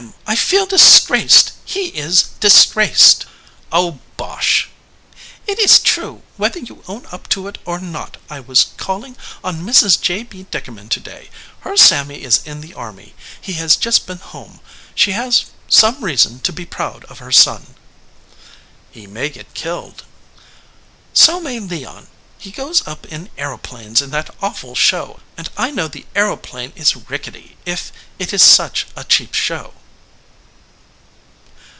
I feel disgraced. He is disgraced." "Oh, bosh!" "It is true, whether you own up to it or not. I was calling on Mrs. J. B. Dickerman to day. Her Sammy is in the army. He has just been home. She has some reason to be proud of her son." "He may get killed." "So may Leon. He goes up in aeroplanes in that awful show, and I know the aeroplane is rickety if it is such a cheap show."